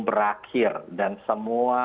berakhir dan semua